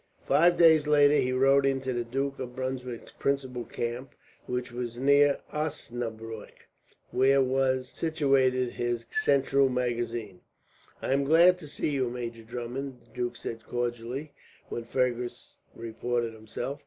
Five days later he rode into the Duke of Brunswick's principal camp, which was near Osnabrueck, where was situated his central magazine. "I am glad to see you, Major Drummond," the duke said cordially, when Fergus reported himself.